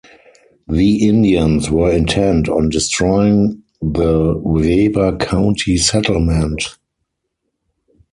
The Indians were intent on destroying the Weber County settlement.